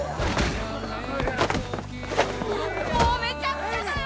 もうめちゃくちゃだよ！